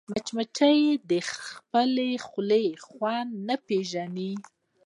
مچمچۍ د خپلې خولې خوند نه پېژني